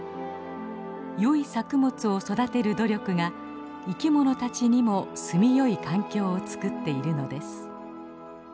よい作物を育てる努力が生きものたちにも住みよい環境をつくっているのです。